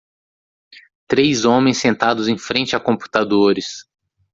Três homens sentados em frente a computadores.